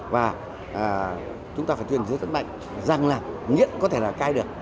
và chúng ta phải tuyên truyền rất mạnh rằng là nghiện có thể là cai được